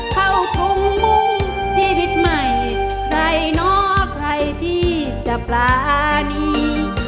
เข้าชมมุ่งชีวิตใหม่ใครเนาะใครที่จะปรานี